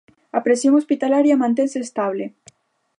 A presión hospitalaria mantense estable.